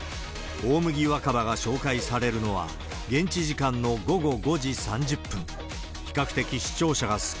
大麦若葉が紹介されるのは現地時間の午後５時３０分。